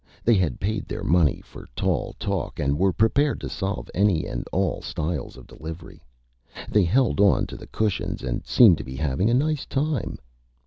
They had paid their Money for Tall Talk and were prepared to solve any and all Styles of Delivery. They held on to the Cushions and seemed to be having a Nice Time.